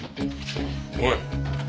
おい。